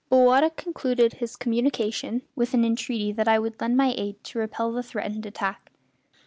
Bowata concluded his communication with an entreaty that I would lend my aid to repel the threatened attack.